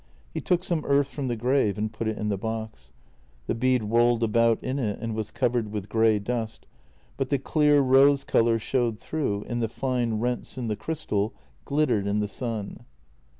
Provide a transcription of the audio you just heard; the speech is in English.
He took some earth from the grave and put it in the box. The bead rolled about in it and was covered with grey dust, but the clear rose colour showed through and the fine rents in the crystal glittered in the sun.